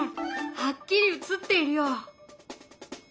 はっきり映っているよ。